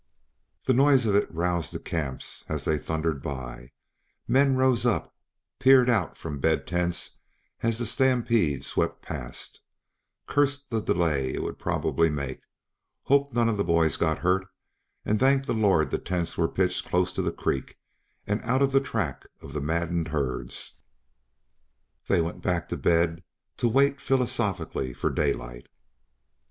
The noise of it roused the camps as they thundered by; men rose up, peered out from bed tents as the stampede swept past, cursed the delay it would probably make, hoped none of the boys got hurt, and thanked the Lord the tents were pitched close to the creek and out of the track of the maddened herds. Then they went back to bed to wait philosophically for daylight.